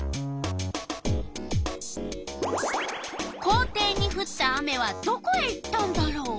校庭にふった雨はどこへ行ったんだろう？